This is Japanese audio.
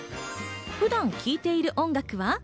普段聴いている音楽は？